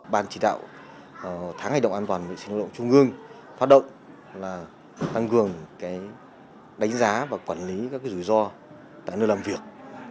ban chỉ đạo tháng hành động an toàn vệ sinh lao động trung ương phát động là tăng cường đánh giá và quản lý các rủi ro tại nơi làm việc